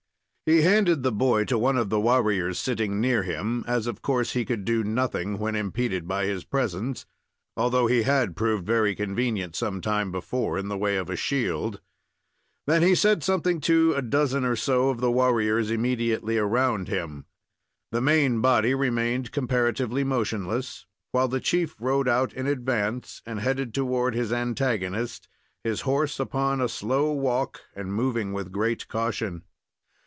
He handed the boy to one of the warriors sitting near him, as, of course, he could do nothing when impeded by his presence, although he had proved very convenient some time before, in the way of a shield. Then he said something to a dozen or so of the warriors immediately around him. The main body remained comparatively motionless, while the chief rode out in advance and headed toward his antagonist, his horse upon a slow walk, and moving with great caution.